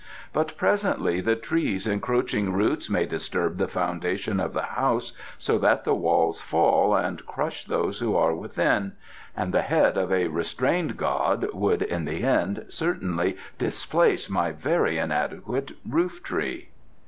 But presently the tree's encroaching roots may disturb the foundation of the house so that the walls fall and crush those who are within, and the head of a restrained god would in the end certainly displace my very inadequate roof tree."